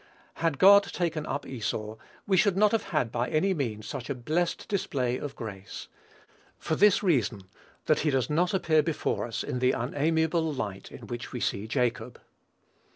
Had God taken up Esau, we should not have had by any means such a blessed display of grace; for this reason, that he does not appear before us in the unamiable light in which we see Jacob.